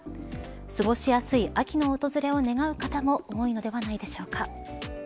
過ごしやすい秋の訪れを願う方も多いのではないでしょうか。